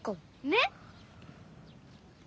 ねっ！